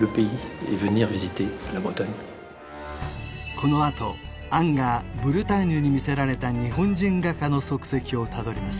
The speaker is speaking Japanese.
このあと杏がブルターニュに魅せられた日本人画家の足跡をたどります